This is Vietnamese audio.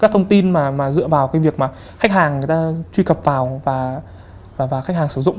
thông tin mà dựa vào cái việc mà khách hàng người ta truy cập vào và khách hàng sử dụng